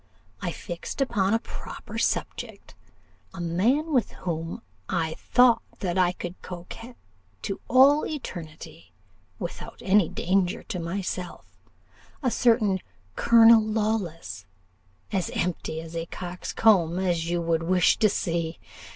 I fixed upon a proper subject a man with whom I thought that I could coquette to all eternity, without any danger to myself a certain Colonel Lawless, as empty a coxcomb as you would wish to see.